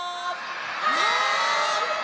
はい！